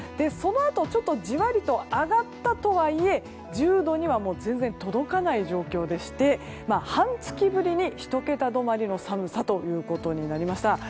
そのあとじわりと上がったとはいえ１０度には全然、届かない状況でして半月ぶりに１桁止まりの寒さとなりました。